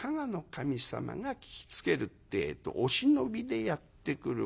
守様が聞きつけるってえとお忍びでやって来る。